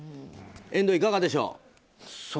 遠藤、いかがでしょう。